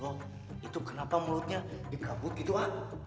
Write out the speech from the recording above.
loh itu kenapa mulutnya dikabut gitu ah